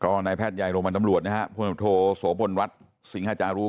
ก็นายแพทย์ยายโรงพยาบาลตำรวจนะครับพุทธโทษโสบลวัตน์สิงหาจารุ